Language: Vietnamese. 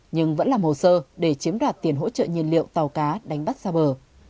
nhưng vẫn làm hồ sơ để chiếm đoạt tiền hỗ trợ nhiên liệu tàu cá đánh bắt xa bờ